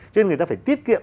cho nên người ta phải tiết kiệm